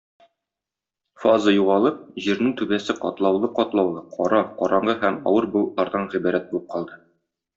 Фаза югалып, җирнең түбәсе катлаулы-катлаулы, кара, караңгы һәм авыр болытлардан гыйбарәт булып калды.